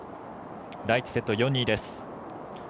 第１セット４−２です。